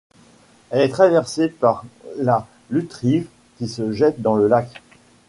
Elle est traversée par la Lutrive qui se jette dans le lac..